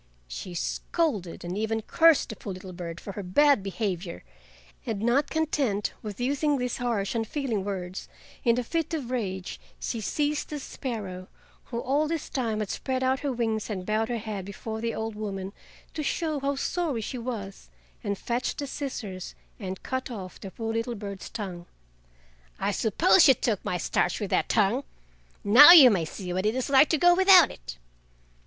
She scolded and even cursed the poor little bird for her bad behavior, and not content with using these harsh, unfeeling words, in a fit of rage she seized the sparrow—who all this time had spread out her wings and bowed her head before the old woman, to show how sorry she was—and fetched the scissors and cut off the poor little bird's tongue. "I suppose you took my starch with that tongue! Now you may see what it is like to go without it!"